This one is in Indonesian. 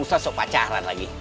udah susah sok pacaran lagi